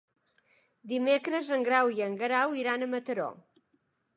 Dimecres en Grau i en Guerau iran a Mataró.